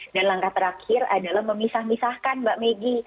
dan langkah terakhir adalah memisah misahkan mbak regi